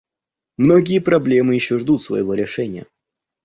Многие проблемы еще ждут своего решения.